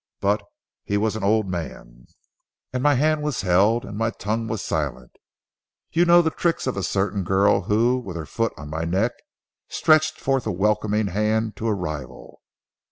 But he was an old man, and my hand was held and my tongue was silent. You know the tricks of a certain girl who, with her foot on my neck, stretched forth a welcoming hand to a rival.